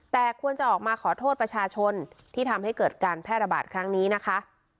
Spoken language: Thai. แต่ควรจะออกมาขอโทษประชาชนที่ทำให้เกิดการแพร่ระบาดครั้งนี้นะคะ